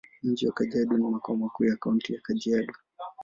Mji wa Kajiado ni makao makuu ya Kaunti ya Kajiado.